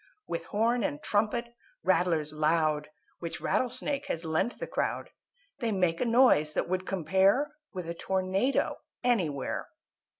With horn and trumpet, rattlers loud, Which Rattle Snake has lent the crowd, They make a noise that would compare With a tornado anywhere.